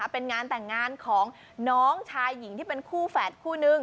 เป็นงานแต่งงานของน้องชายหญิงที่เป็นคู่แฝดคู่นึง